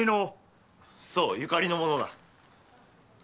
そうゆかりの者だ。